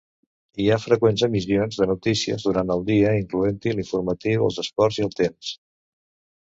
Hi ha freqüents emissions de notícies durant el dia, incloent-hi l'informatiu, els esports i el temps.